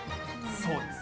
そうです。